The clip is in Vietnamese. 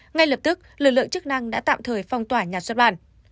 ngay lập tức lực lượng chức năng đã tạm thời phong tỏa nhà xuất bản